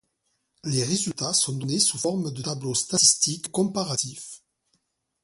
Les résultats sont donnés sous forme de tableaux statistiques comparatifs.